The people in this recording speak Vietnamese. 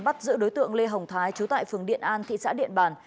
bắt giữ đối tượng lê hồng thái chú tại phường điện an thị xã điện bản